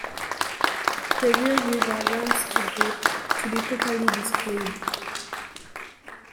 The real river runs too deep to be properly displayed.